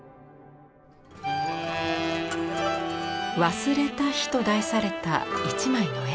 「忘れた日」と題された一枚の絵。